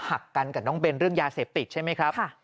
หักกันกับน้องเบนเรื่องยาเสพติดใช่ไหมครับ